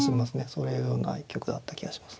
そういうような一局だった気がします。